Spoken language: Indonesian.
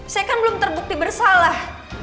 saya kan belum terbukti bersalah